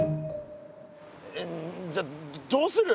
えっじゃあどうする？